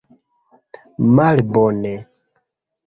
malbone